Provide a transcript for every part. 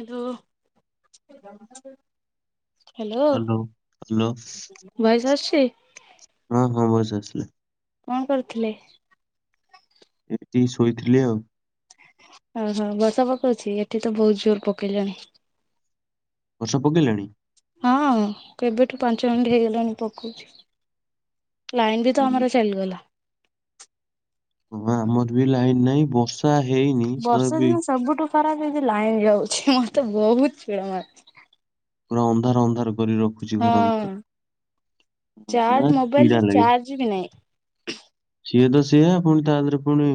ଏ ଯୋଉ hello hello voice ଆସଚି? ହଁ ହଁ ଭଏସ ଆସିଲା। କଣ କରୁଥିଲେ? ଏମିତି ଶୋଇଥିଲି ଆଉ। ଓହୋ ବର୍ଷା ପକଉଛି ଏଠି ତ ବହୁତ ଜୋର ପକେଇଲାଣି। ବର୍ଷା ପକେଇଲାଣି? ହଁ କେବେଠୁ ପାଞ୍ଚ ମିନିଟ୍ ହେଇଗଲାଣି ପକଉଛି। ଲାଇନ୍ ବି ତ ଉଁ, ଆମର ଚାଲିଗଲା। ହ ଆମର ବି ଲାଇନ ନାହିଁ ବର୍ଷା ହେଇନି ତ ବର୍ଷା ବି। ଦିନ ସବୁଠୁ ଖରାପ ହେଇ ଯେ ଲାଇନ ଯାଉଛି ମତେ ବହୁତ ଚିଡ ମାଡୁଚି। ପୁରା ଅନ୍ଧାର ଅନ୍ଧାର କରି ରଖୁ ଚି ଘର ହଁ ଭିତରେ ଚାର୍ଜ ଭାରି ମୋବାଇଲରେ ଚିଡ଼ା ଲାଗେ। ଚାର୍ଜ ବି ନାହିଁ। ସିଏତସିଏ ପୁଣି ତା ଦେହରେ ପୁଣି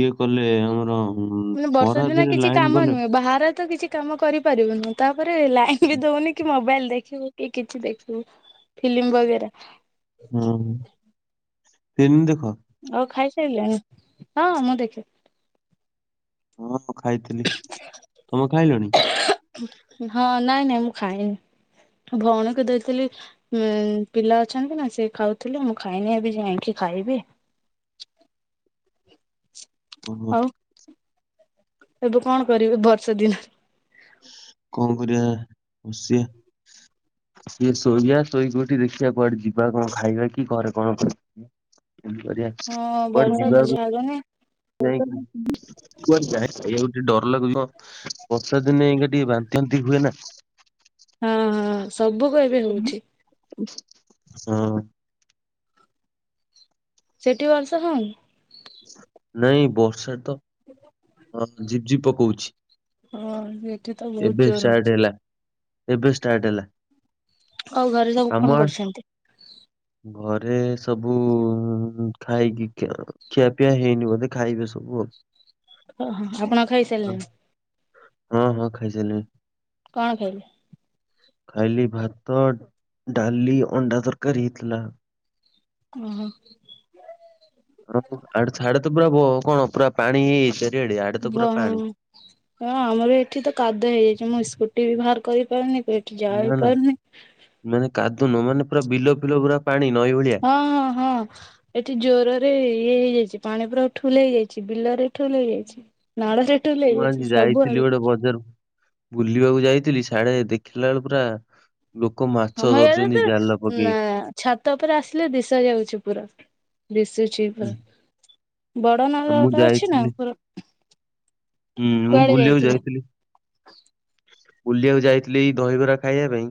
ଇଏ କଲେ ଆମର ଉଁ, ମାନେ ବର୍ଷ ଖରା ଦିନେ କିଛି ଲାଇନ କାମ ଗଲେ ନୁହେଁ ବାହାରେ ତ କିଛି କାମ କରିପାରିବନି ତାପରେ ଲାଇନ ବି ଦଉନି କି ମୋବାଇଲ ଦେଖିବୁ କି କିଛି ଦେଖିବୁ ଫିଲ୍ମ ବଗେରା। ହୁଁ ହୁଁ ଫିଲ୍ମ ଦେଖ? ଆଉ ଖାଇସାରିଲେଣି ହଁ ମୁଁ ଦେଖେ। ହଁ ହଁ ଖାଇଥିଲି ତମେ ଖାଇଲଣି? ହଁ ନାଇଁ ନାଇଁ ମୁଁ ଖାଇନି ଭଉଣୀକୁ ଦେଇଥିଲି। ଉଁ ପିଲା ଅଛନ୍ତି ନା ସେ ଖାଉଥିଲେ ମୁଁ ଖାଇନି ଏବେ ଯାଇଁକି ଖାଇବି। ଓହୋ ଆଉ ଏବେ କଣ କରିବେ ବର୍ଷା ଦିନରେ? କଣ କରିବା ବସିବା। ଟିକେ ଶୋଇବା ଶୋଇକି ଉଠିକି ଦେଖିବା କୁଆଡେ ଯିବା କଣ ଖାଇବା କି ଘରେ କଣ। [unintelligible] ଏମତି କରିବା କୁଆଡେ ଯିବାକୁ। ଖାଇଲନି? ଯାଇ [unintelligible] କୁଆଡେ ଜାଇ ଖାଇବାକୁ ଟିକେ ଡର ଲାଗୁଚି ହ ବର୍ଷା ଦିନେ ଇଏ ଟିକେ ବାନ୍ତି ବାନ୍ତି ହୁଏ ନା। ହଁ ହଁ ସବୁ କହିପାରିବି ଠିକ୍। [unintelligible] ହଁ। ସେଠି ମାଂସ ହଉନି। ନାଇଁ ବର୍ଷା ତ। ଅ ଝିପ୍ ଝିପ୍ ପକଉଛି। ହଁ ଏଠି ତ ବହୁତ ଏବେ ଜୋର ହଉଛି। ଷ୍ଟାଟେ ହେଲା ଏବେ ଷ୍ଟାର୍ଟ ହେଲା। ଆଉ ଘରେ ସବୁ ଆମ କଣ ଆଡେ କରୁଛନ୍ତି? ଘରେ ସବୁ ଉଁ ଖାଇକି ଖିଅ ଖିଆପିଆ ହେଇନି ବୋଧେ ଖାଇବେ ସବୁ ଆଉ। ଓହୋ ହୋ ଆପଣ ଆଉ ଖାଇସ୍ ଅ ହଁ ହଁ ଖାଇସାରିଲିଣି। କଣ ଖାଇଲେ? ଖାଇଲି ଭାତ ଡାଲି ଅଣ୍ଡା ତରକାରୀ ଥିଲା। ଓହୋ। [unintelligible] ଆଡେଛାଡେ ତ ପୁରା ବ କଣ ପୁରା ପାଣି ହେଇଯାଏ। ଗହମ ଏ ଆମର ଏଠି ତ କାଦୁଅ ହେଇଯାଇଚି ମୁଁ ସ୍କୁଟି ବି ବାହାର କରିପାରୁନିି ବେ। ଯାଇ ନା ନା ପାରୁନି। ମାନେ କାଦୁନ ମାନେ ପୁରା ବିଲ ଫିଲ ପୁରା ପାଣି ନଈ ଭଳିଆ? ହଁ ହଁ ହଁ। ଏଠି ଜୋର ରେ ଇଏ ହେଇଯାଇଛି ପାଣି ପୁରା ଠୁଲୁ ହେଇଯାଇଛି ବିଲ ରେ ଠୁଲୁ ହେଇଯାଇଛି। ନାଳରେ ଠୁଲୁ ହେଇଯାଇଛି ସବୁଆଡେ। ତ ବଜାରରୁ। ବୁଲିବାକୁ ଯାଇଥିଲି ସାଡେ ଦେଖିଲାବଳୁକୁ ପୁରା। ଲୋକମା ଆମର ଇଆଡେ ତ ଉଁ ଛାତ ଉପରେ ଆସିଲେ ଦିଶା ଯାଉଛି ପୁରା। ଦିଶୁଛି ହୁଁ, ପରା ବଡ ଆଉ ମୁଁ ନଳାଟେ ଅଛି ନା ଯାଇଥିଲି ଉପର। ହୁଁ ମୁଁ ବୁଲିବାକୁ ଯାଇଥିଲେ ଯାଇଥିଲି। ବୁଲିବାକୁ ଯାଇଥିଲି ଏଇ ଦହିବରା ଖାଇବା ପାଇଁ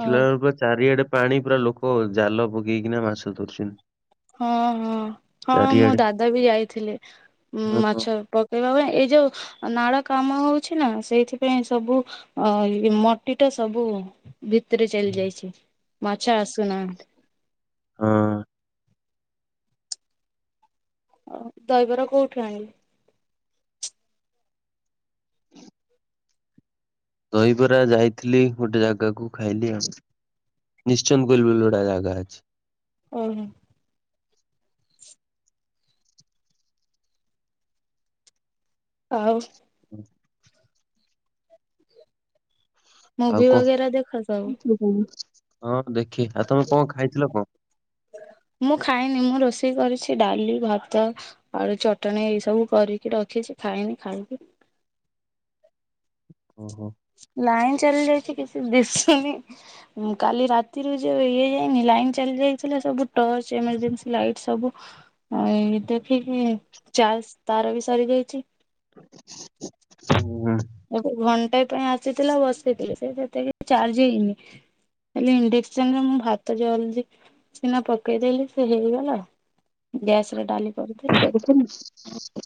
ଓ ପୁରା। ଚାରିଆଡେ ପାଣି ପୁରା ଲୋକ ଜାଲ ପକେଇକିନା ମାଛ ଧରୁଛନ୍ତି। ହଁ ହଁ ହଁ ମୋ ଚାରିଆଡେ ଦାଦା ବି ଯାଇଥିଲେି ହଁ ହଁ ମାଛ ପ କେଇବା ପାଇଁ ଏଇ ଯୋଉ ନାଳ କାମ ହଉଛି ନା ସେଇଥିପାଇଁ ସବୁ। ଅଇ ମଟି ଟା ସବୁ ଭିତରେ ଚାଲି ଯାଇଛି ମାଛ ଆସୁନାହାନ୍ତି। ହଁ। ଅ ଦହି ବରା କୋଉଠୁ ଆଇଁଲୁ? ଦହିବରା ଯାଇଥିଲି ଗୋଟେ ଜାଗାକୁ ଖାଇଲି ଆଉ। ନିଶ୍ଚନ୍ଦ ବୁଲ ବୁଲ ଗୋଟେ ଜାଗା ଅଛି। ଓ ହୋ ଆଉ ହୁଁ ଆଉ ମୁଭି ବଗେରା ଦେଖ ସବୁ? କଣ ହଁ ଦେଖି ଆଉ ତମେ କଣ ଖାଇଥିଲ କଁ? ମୁଁ ଖାଏନି ମୁଁ ରୋଷେଇ କରିଛି ଡାଲି ଭାତ ଆଳୁ ଚଟଣି ଏଇ ସବୁ କରିକି ରଖିଛି ଖାଇନି ଖାଇବି। ଓ ହୋ ଲାଇନ୍ ଚାଲି ଯାଇଛି କିଛି ଦିଶୁନି। ଉଁ କାଲି ରାତିରୁ ଯୋଉ ଇଏ ହେଇନି ଲାଇନ ଚାଲି ଯାଇଥିଲା ସବୁ ଟର୍ଚ ଏମର୍ଜେନ୍ସି ଲାଇଟ ସବୁ ହଁ ଦେଖିକି ଚାର୍ଜ ତାର ବି ସରି ଯାଇଛି। [inaudible] ଯାଇଥିଲି ଉ ଘଣ୍ଟେ ପାଇଁ ଆସିଥିଲା ବସେଇଥିଲ ସେ ସେତେ କିଛି ଚାର୍ଜ ହେଇନି। ହେଲେ ଇଣ୍ଡକ୍ସନ ରେ ମୁଁ ଭାତ ଜଲଦି ସିନା ପକେଇଦଲି ସେ ହେଇଗଲା। ଗ୍ୟାସ ରେ ଡାଲି କରିଥିନି। କଣ କେତେ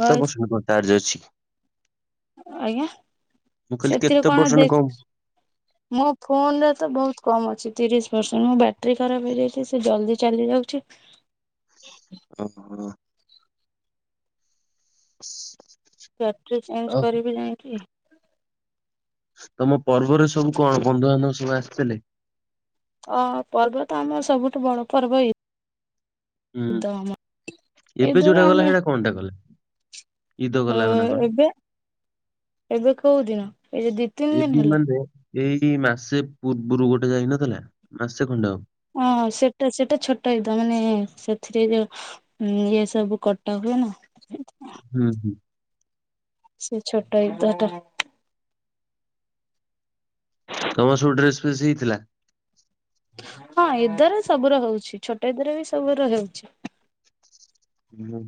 ଭଏସ କଣ ଚାର୍ଜ ଅଛି? ଆଜ୍ଞା ମୁଁ କହିଲି ସେଥିରେ କେତେ କଣ ପରସେଣ୍ଟ ଦେଖ ମୋ ଫୋନରେ ତ ବୋହୁତ କମ୍ ଅଛି ତିରିଶ ପରସେଣ୍ଟ ମୋ ବ୍ୟାଟେରୀ ଖରାପ ହେଇଯାଇଛି ସେ ଜଲ୍ଦି ଚାଲିଯାଉଛି। ଓ ହ [inaudible] ବ୍ୟାଟରି ଚେଞ୍ଜ ଆଉ କରିବି ଯାଇଁକି ତମ ପର୍ବରେ ସବୁ କଣ ବନ୍ଧୁବାନ୍ଧବ ସବୁ ଆସିଥିଲେ? ଅ ପର୍ବ ତ ଆମର ସବୁଠୁ ବଡ ପର୍ବ ଏଇ। ହୁଁ। ଏବେ ଇଦରେ ଯୋଉଟା ଗଲା ଆମେ ସେଟା କଣଟା ଗଲା ଇଦ ଅ ଗଲା ହେ ନା କଣ? ଏବେ ଏବେ କୋଉ ଦିନ ଏଇ ଯୋ ଦି ତିନି ଦିନ ଏବେ ହେଲା ମାନେ ଏଇଟି ମାସେ ପୂର୍ବରୁ ଗୋଟେ ଯାଇନଥିଲା ମାସେ ଖଣ୍ଡେ ହବ। ହଁ ହଁ ସେଟା ସେଟା ଛୋଟ ଇଦ ମାନେ ସେଥିରେ ଯୋଉ ହୁଁ ଇଏ ସବୁ କଟା ହୁଏ ନା ହୁଁ ହୁଁ ସେ ଛୋଟ ଇଦ ଟା। ତମର ସବୁ ଡ୍ରେସ ପ୍ରେସ ହେଇଥିଲା? ହଁ ଇଦ ରେ ସବୁୁର ହୋଉଛି ଛୋଟ ଇଦ ର ବି ସବୁ ର ହୋଉଛି। ହୁଁ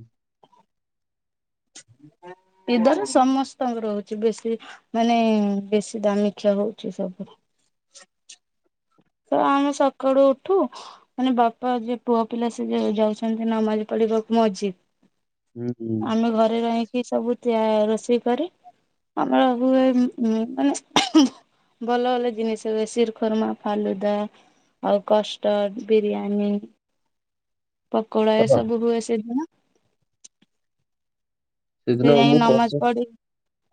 [inaudible] ଇଦ ରେ ସମସ୍ତଙ୍କର ହୋଉଛି ବେଶୀ ମାନେ ବେଶୀ ଦାମୀଖିଆ ହଉଛି ସବୁ। ତ ଆମେ ସକାଳୁ ଉଠୁ ମାନେ ବାପା ଯେ ପୁଅ ପିଲା ସେ ଯ ଯାଉଛନ୍ତି ନମାଜ ପଢିବାକୁ ମଜିଦ୍। ହୁଁ ଆମେ ଘରେ ରହିକି ସବୁ ତିଆ ରୋଷେଇ କରି ଆମର ହୁଏ ହୁଁ ମାନେ ଭଲ ଭଲ ଜିନିଷ ହୁଏ ଶ୍ରୀଖର୍ମା ଫାଲୁଦା ଆଉ କଷ୍ଟଡ଼ ବିରିୟାନୀ ପକୋଡା ଏ କର ସବୁ ହୁଏ ସେଦିନ। ସେ ସେଦିନ ଯାଇ ମୁଁ କ ନମାଜ ପ ପଢି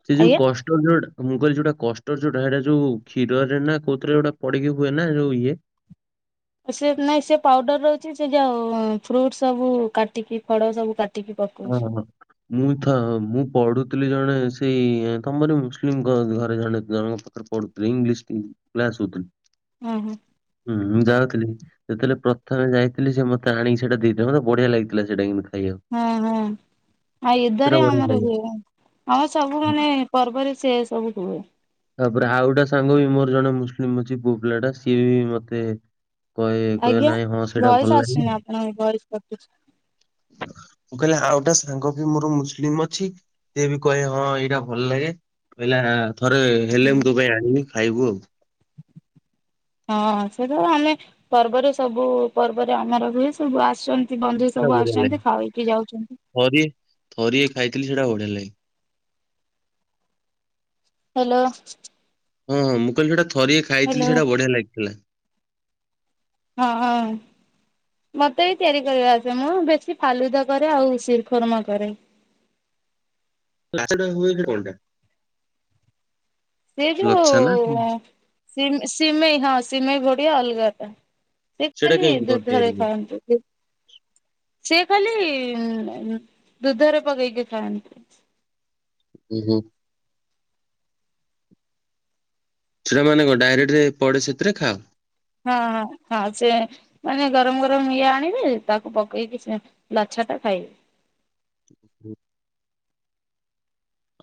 ସେ ଯୋଉ ଆଜ୍ଞା କଷ୍ଟ ଯୋଉଟା ମୁଁ କହିଲି ଯୋଉଟା କଷ୍ଟଡ଼ ଯୋଉଟା ହେଇଟା ଯୋଉ କ୍ଷୀରରେ ନା କୋଉଥିରେ ଗୋଟେ ପଡିକି ହୁଏ ନା ଯୋଉ ଇଏ ସେ ନାଇଁ ସେ ପାଉଡର ରୋହୁଛି ସେ ଯୋଉ ଫ୍ରୁଟ ସବୁ କାଟିକି ଫଳ ସବୁ କାଟ ହୁଁ ହୁଁ ହୁ। ମୁଁ ତ ମୁଁ ପଢୁଥିଲି ଜଣେ ସେଇ ତମର ମୁସଲିମଙ୍କ ଘରେ ଜଣେ ଜଣଙ୍କ ପାଖରେ ପଢୁ ଇଂଲିଶ କ୍ଲାସ ନେଉଥିଲି ହୁଁ ହୁଁ ହୁଁ ମୁଁ ଯାାଉଥିଲି ଯେତେବେଳେ ପ୍ରଥମେ ଯାଇଥିଲି ସେ ମତେ ଆଣିକି ସେଟା ଦେଇଥିଲା ମୋତେ ବଢିଆ ଲାଗିଥିଲା ସେଇଟା କିନ୍ତୁ ଖାଇବାକୁ ହଁ ହଁ ଆଉ ସେଇଟା ଏଦରେ ବଢିଆ ଆମର ଲାଗେ। ଆମ ସବୁ ମାନେ ପର୍ବରେ ସେ ସବୁ କୁହେ ତାପରେ ଆଉ ଗୋଟେ ସାଙ୍ଗ ବି ମୋର ଜଣେ ମୁସଲିମ ଅଛି ପୁଅ ପିଲା ଟା ସିଏ ବି ମତେ କହେ କହେ ଆଜ୍ଞା ନାଇଁ ହଁ ସେଇଟା ଭଲ ଭଏସ ଲାଗେ। ଆସିୁନି ମୁଁ ଆପଣଙ୍କ ଭଏସ କଟୁଚି ମୁଁ କହିଲି ଆଉଟା ସାଙ୍ଗ ବି ମୋର ମୁସଲିମ ଅଛି ସିଏ ବି କହେ ହଁ ଏଇଟା ଭଲ ଲାଗେ କହିଲା ଥରେ ହେଲେ ହୁଁ ମୁଁ ତୋ ପାଇଁ ଆଣିବି ଖାଇବୁ ଆଉ [inaudible] ହଁ ସେଟା ଆମେ ପର୍ବରେ ସବୁ ପର୍ବରେ ଆମର ହୁଏ ସବୁ ଆସୁନ୍ତି ବନ୍ଧୁ ସବୁ ଆସୁଛନ୍ତି ଖାଇକି ଯାଉଛନ୍ତି ଥରି ଥରିଏ ଖାଇଥିଲି ସେଇଟା ବଢିଆ ଲାଗି ହ୍ୟାଲୋ ହୁଁ ମୁଁ କଇଲି ସେଟା ଥରିଏ ଖାଇଥିଲି ହ୍ୟାଲୋ ସେଇଟା ବଢିଆ ଲାଗିଥିଲା ହଁ ମତେ ବି ତିଆରି କରିବା ଆସେ ମୁଁ ବେଶି ଫାଲୁଦା କରେ ଆଉ ସିିରଖର୍ମା କରେ [unintelligible] ସିଏ ଲଛା ନା କଣ? ଯଉ ସିମେଇ ହଁ ସିମେଇ ଭଡିଆ ଅଲଗାଟା ସେ ସେଇଟା କାଲି କେମିତି କଣ ତିଆରି ଦୁଧରେ ହୁଏ? ଖାଆନ୍ତୁ ଦୁ ସିଏ ଖାଲି ଦୁଧରେ ପକେଇକି ଖାଆନ୍ତି ଉ ହୁଁ ସେଇଟା ମାନେ ଙ୍କ ଡାଇରେକ୍ଟ ପଡେ ସେଥିରେ ଖାଅ ହଁ ହଁ ହଁ ସେ ମାନେ ଗରମ ଗରମ ଇଏ ଆଣିବେ ତାକୁ ପକେଇକି ଲଛା ଟା ଖାଇବେ ହୁଁ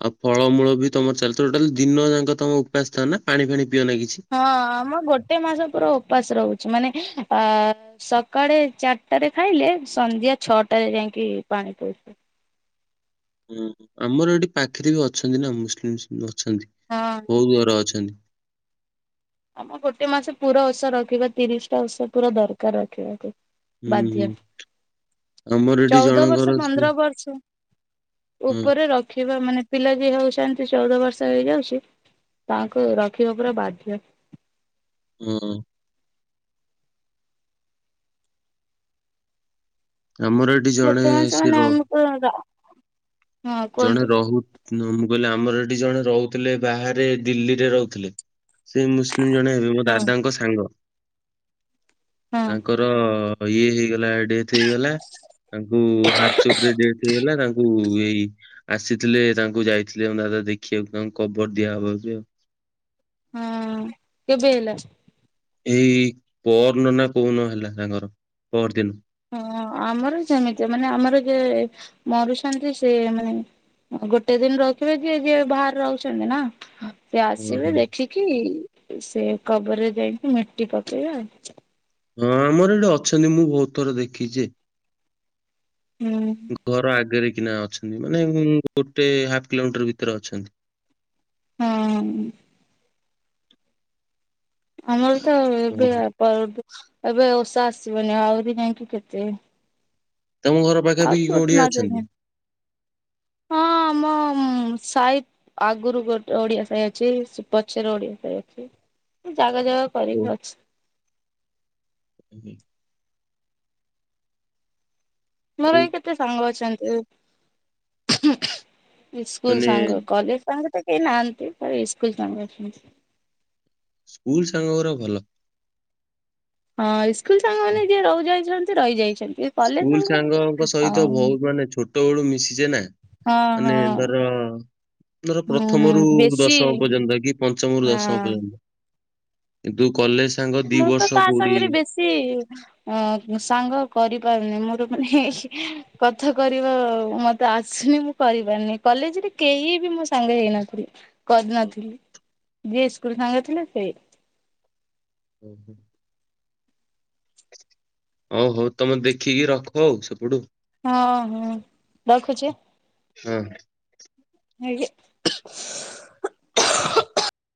ଆଉ ଫଳମୂଳ ବି ତମର ଚାଲଥିବ ଟୋଟାଲ ଦିନ ଯାକ ତମ ଉପାସ ଥା ନା ପାଣି ଫାଣି ପିଅ ନା କିଛି ହଁ ଆମ ଗୋଟେ ମାସ ପୁରା ଓପାସ ରହୁଛି ମାନେ ଅ ସକାଳେ ଚାରିଟାରେ ଖାଇଲେ ସନ୍ଧ୍ୟା ଛଅଟାରେ ଯାଇକି ପାଣି ପଉ ହୁଁ ଆମର ଏଠି ପାଖରେ ବି ଅଛନ୍ତି ନା ମୁସଲିମ ଅଛନ୍ତି ହଁ। ବୋହୁତ ଘର ଅଛନ୍ତି ଆମ ଗୋଟେ ମାସ ପୁରା ଓଷା ରଖିବା ତିରିଶଟା ଓଷା ପୁରା ଦରକାର ରଖିବା ଟ ହୁଁ ହୁଁ ବାଧ୍ୟ ଆମର ଏଠି ଚଉଦ ଜଣଙ୍କର ବର୍ଷ ସେ ପନ୍ଦର ବର୍ଷ ହଁ ଉପରେ ରଖିବା ମାନେ ପିଲା ଯିଏ ହଉଛନ୍ତି ଚଉଦ ବର୍ଷ ହେଇଯାଉଛି ତାଙ୍କୁ ରଖିବା ପୁରା ବାଧ୍ୟ ହଁ ଆମର ଏଠି ଜଣେ ଗୋଟେ ମାସ ସିର [unintelligible] ଜଣେ କୁହନ୍ତୁ। ରହୁ ମୁଁ କହିଲି ଆମର ଏଠି ଜଣେ ରହୁଥିଲେ ବାହାରେ ଦିଲ୍ଲୀରେ ରହୁଥିଲେ ସେ ମୁସଲିମ ଜଣେ ହେବେ ମୋ ହଁ ଦାଦାଙ୍କ ସାଙ୍ଗ ହଁ। ତାଙ୍କର ଇଏ ହେଇଗଲା ଡେଥ ହେଇଗଲା ତାଙ୍କୁ ହାଟ ଚୋକ୍ ରେ ଡେଟ ହେଇଗଲା ତାଙ୍କୁ ଏଇ ଆସିଥିଲେ ତାଙ୍କୁ ଯାଇଥିଲେ ଆମ ଦାଦା ଦେଖିବାକୁ ତାଙ୍କୁ କବର ଦିଆହବ ଆଉ ହୁଁ କେବେ ହେଲା ଏଇ ପରଦିନ ନା କୋଉଦିନ ହେଲା ତାଙ୍କର ପରଦିନ। ହଁ ଆମର ସେମିତିଆ। ମାନେ ଆମର ଯିଏ ମରୁଛନ୍ତି ସେ ମାନେ ଗୋଟେ ଦିନ ରଖିବେ ଯିଏ ଯିଏ ବାହାରେ ରହୁଛନ୍ତି ନା। ସେ ହଁ ଆସିବେ ହଁ। ଦେଖିକି ସେ କବରରେ ଯାଇକି ମିଟି ପକେଇବେ ଆଉ। ହଁ ଆମର ଏଇଠି ଅଛନ୍ତି ମୁଁ ବହୁତ ଥର ଦେଖିଛି। ହୁଁ। ଘର ଆଗେରେ କିନା ଅଛ ନ୍ତି ମାନେ ଗୋଟେ ହାଫ୍ କିଲୋମିଟର ଭିତେରେ ଅଛନ୍ତି। ହଁ। ଆମର ତ ଏବେ ଆ ପର୍ବ ଏବେ ଓଷା ଆସିବନି ଆହୁରି ଯାଇକି କେତେ ତମ ଘର ଆହୁରି ପାଖାପାଖି କଣ ଗୋଟେ ଓଡିଆ ମାସ ଅଛନ୍ତି? ହଁ ଆମ ହଁ ମଁ ସାହି ଆଗୁରୁ ଗୋଟେ ଓଡିଆ ସାହି ଅଛି। ସେ ପଛେରେ ଓଡିଆ ସାହି ଅଛି। ଉଁ ଜାଗା ଜାଗା କରିକି ଅଛି। ଉହୁଁ। ମୋର ଆଉ ବି କେତେ ସାଙ୍ଗ ଅଛନ୍ତି। ଉଁହୁଁ ଉଁହୁଁ। ଏଇ ସ୍କୁଲ ମାନେ ସାଙ୍ଗ। କଲେଜ ସାଙ୍ଗ ତ କେହି ନାହାଁନ୍ତି। ଆଉ ଏଇ ସ୍କୁଲ ସାଙ୍ଗ ଅଛନ୍ତି। ସ୍କୁଲ ସାଙ୍ଗଗୁରା ଭଲ। ହଁ ଇସ୍କୁଲ ସାଙ୍ଗମାନେ ଯିଏ ରହୁ ଯାଇଛନ୍ତି ରହିଯାଇଛନ୍ତି। କଲେଜ ସ୍କୁଲ ସାଙ୍ଗ ସାଙ୍ଗଙ୍କ ସହିତ ଆଉ ବହୁତ ମାନେ ଛୋଟବେଳୁ ମିଶିଛେ ନା। ହଁ ମାନେ ହଁ ଧର ଧର ହୁଁ ପ୍ରଥମରୁ ହୁଁ ବେଶୀ ଦଶମ ପର୍ଯ୍ୟନ୍ତ କି ପଞ୍ଚମରୁ ଦଶମ ହଁ ପର୍ଯ୍ୟନ୍ତ। କିନ୍ତୁ କଲେଜ ସାଙ୍ଗ ଦି ତ ବର୍ଷ କାହା କୋଉଠି [unintelligible] ଅଁ ମୁଁ ସାଙ୍ଗ କରିପାରୁନି ମୋର ମାନେ କଥା କରିବା ମତେ ଆସୁନି ମୁଁ କରିପାରୁନି। କଲେଜରେ କେହି ବି ମୋ ସାଙ୍ଗ ହେଇନଥିଲେ। କରି ନଥିଲି। ଯିଏ ସ୍କୁଲ ସାଙ୍ଗ ଥିଲେ ସେଏ। ଓହୋ। ହଉ ହଉ ତମେ ଦେଖିକି ରଖ ଆଉ ସେଇପଟୁ। ହଁ ହଁ ରଖୁଛି ଆଁ। ହଁ। [unintelligible]